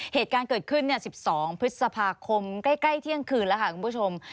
เหตุการณ์เกิดขึ้น๑๒พฤษภาคมใกล้เที่ยงคืนแล้วค่ะคุณผู้ชม